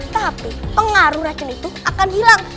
tapi pengaruh racun itu akan hilang